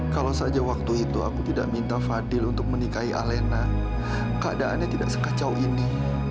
kalau saja waktu itu aku tidak minta fadil untuk menikahi alena keadaannya tidak sekacau ini